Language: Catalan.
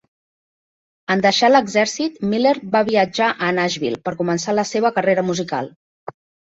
En deixar l'exèrcit, Miller va viatjar a Nashville per començar la seva carrera musical.